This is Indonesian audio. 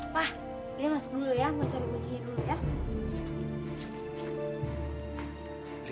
pak lia masuk dulu ya mau cari kuncinya dulu ya